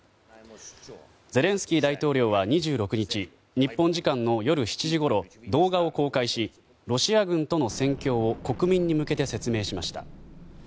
ゼレンスキー大統領は２６日日本時間の夜７時ごろ動画を公開しロシア軍との戦況を国民に向けて説明しました。